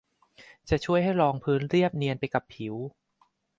จะช่วยให้รองพื้นเรียบเนียนไปกับผิว